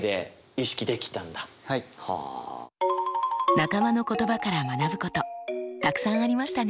仲間の言葉から学ぶことたくさんありましたね。